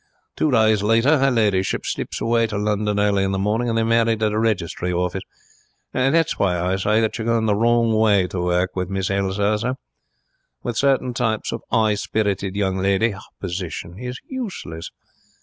Two days later her ladyship slips away to London early in the morning, and they're married at a registry office. That is why I say that you are going the wrong way to work with Miss Elsa, sir. With certain types of 'igh spirited young lady hopposition is useless.